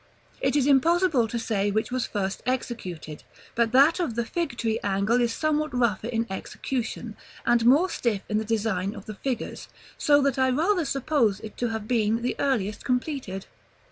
It is impossible to say which was first executed, but that of the Fig tree angle is somewhat rougher in execution, and more stiff in the design of the figures, so that I rather suppose it to have been the earliest completed.